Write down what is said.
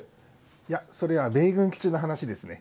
いやそれは米軍基地の話ですね。